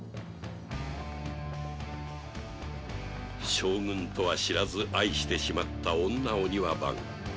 将軍とは知らず愛してしまった女お庭番